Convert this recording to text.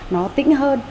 có tĩnh hơn